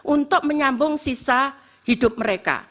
untuk menyambung sisa hidup mereka